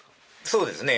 そうですね。